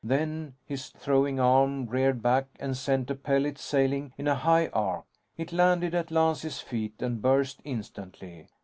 Then, his throwing arm reared back and sent a pellet sailing in a high arc. It landed at Lance's feet and burst instantly.